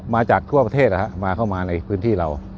มาจากทั่วประเทศมาเข้ามาในพื้นที่เรา